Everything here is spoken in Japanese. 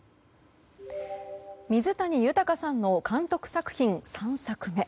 水谷豊さんの監督作品３作目。